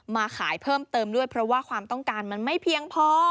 มาขายเพิ่มเติมด้วยเพราะว่าความต้องการมันไม่เพียงพอ